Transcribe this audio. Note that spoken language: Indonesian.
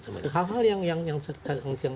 sama hal hal yang serta merta